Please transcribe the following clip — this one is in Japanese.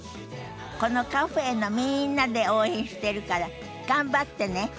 このカフェのみんなで応援してるから頑張ってね。